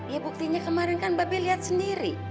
ya buktinya kemarin kan mbak be lihat sendiri